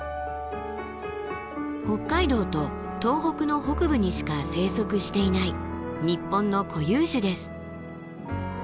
北海道と東北の北部にしか生息していない日本の固有種です。